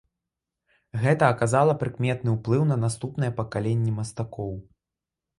Гэта аказала прыкметны ўплыў на наступныя пакаленні мастакоў.